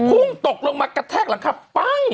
พุ่งตกลงมากระแทกละครับปั้ง